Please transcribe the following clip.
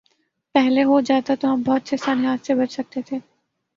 پہلے ہو جاتا تو ہم بہت سے سانحات سے بچ سکتے تھے۔